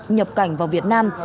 nhập cảnh vào việt nam